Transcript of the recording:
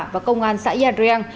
và công an xã yadreang